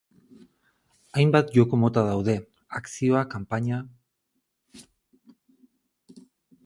Hainbat joko mota daude akzioa, kanpaina...